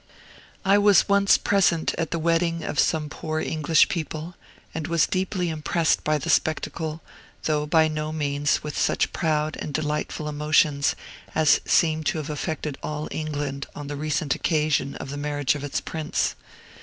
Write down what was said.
I was once present at the wedding of some poor English people, and was deeply impressed by the spectacle, though by no means with such proud and delightful emotions as seem to have affected all England on the recent occasion of the marriage of its Prince.